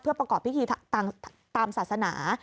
เพื่อประกอบพิธีตามศาสนา